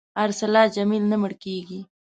ارسلا جمال نه مړ کېږي.